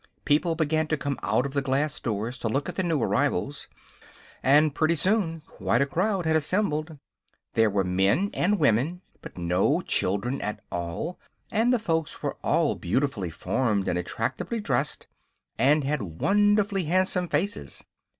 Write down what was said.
People began to come out of the glass doors to look at the new arrivals, and pretty soon quite a crowd had assembled. There were men and women, but no children at all, and the folks were all beautifully formed and attractively dressed and had wonderfully handsome faces.